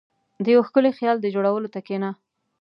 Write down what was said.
• د یو ښکلي خیال د جوړولو ته کښېنه.